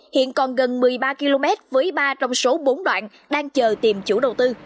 hiện còn gần một mươi ba km với ba trong số bốn đoạn đang chờ tìm chủ đầu tư